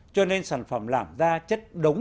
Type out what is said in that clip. cho nên sản phẩm làm ra chất đống